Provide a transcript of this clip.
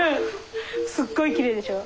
すっごいきれいでしょう。